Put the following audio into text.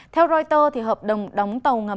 theo reuters hợp đồng đóng tàu ngầm